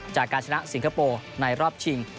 จากการชนะสิงคโปร์ในรอบชิง